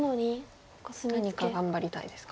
何か頑張りたいですか。